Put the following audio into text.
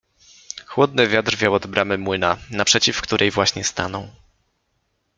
Chłodny wiatr wiał od bramy młyna, naprzeciw której właśnie stanął.